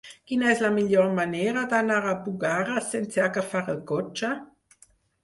Quina és la millor manera d'anar a Bugarra sense agafar el cotxe?